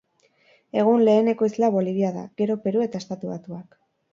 Egun, lehen ekoizlea Bolivia da, gero Peru eta Estatu Batuak.